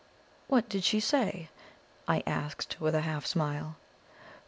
"What did she say?" I asked with a half smile.